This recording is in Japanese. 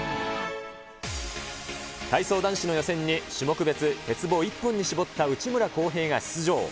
体操男子の予選に、種目別鉄棒１本に絞った内村航平が出場。